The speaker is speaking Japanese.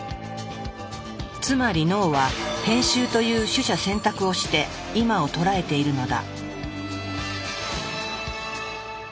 つまり脳は編集という取捨選択をして「今」を捉えているのだ。